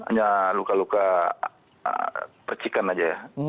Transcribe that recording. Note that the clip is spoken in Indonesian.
hanya luka luka percikan aja ya